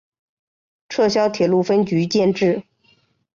撤销铁路分局建制。